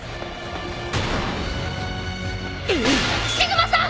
シグマさん！